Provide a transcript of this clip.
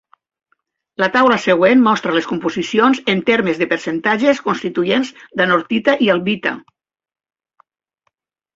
La taula següent mostra les composicions en termes de percentatges constituents d'anortita i albita.